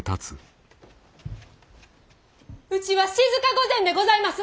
うちは静御前でございます！